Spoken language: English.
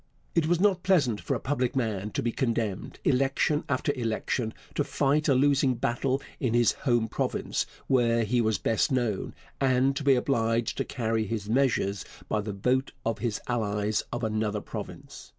It was not pleasant for a public man to be condemned, election after election, to fight a losing battle in his home province, where he was best known, and to be obliged to carry his measures by the vote of his allies of another province.